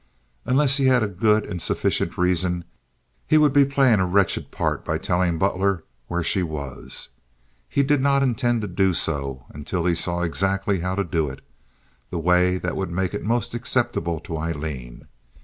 Unless he had a good and sufficient reason, he would be playing a wretched part by telling Butler where she was. He did not intend to do so until he saw exactly how to do it—the way that would make it most acceptable to Aileen.